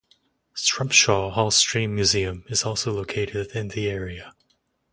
Strumpshaw Hall Steam Museum is also located in the area.